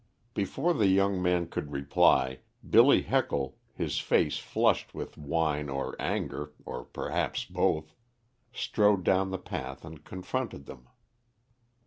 Before the young man could reply, Billy Heckle, his face flushed with wine or anger, or perhaps both, strode down the path and confronted them.